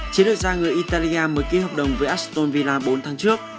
chỉ được ra người italia mới ký hợp đồng với aston villa bốn tháng trước